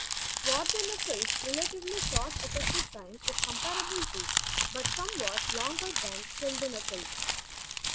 Vardenafil's relatively short effective time is comparable to but somewhat longer than sildenafil's.